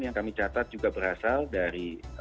yang kami catat juga berasal dari